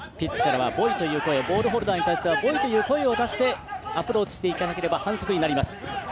ボールホルダーにはボイという声を出してアプローチしていかなければ反則になります。